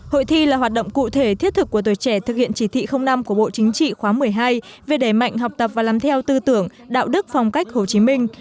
hội thi là hoạt động cụ thể thiết thực của tuổi trẻ thực hiện chỉ thị năm của bộ chính trị khóa một mươi hai về đẩy mạnh học tập và làm theo tư tưởng đạo đức phong cách hồ chí minh